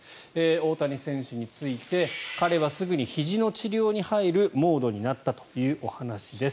大谷選手について彼はすぐにひじの治療に入るモードになったというお話です。